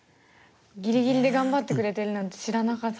ギリギリで頑張ってくれてるなんて知らなかったです。